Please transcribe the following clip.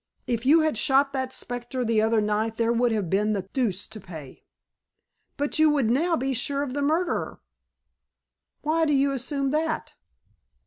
"If you had shot that specter the other night there would have been the deuce to pay." "But you would now be sure of the murderer?" "Why do you assume that?"